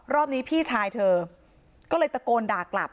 รอบนี้พี่ชายเธอก็เลยตะโกนด่ากลับ